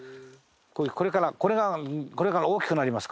これからこれがこれから大きくなります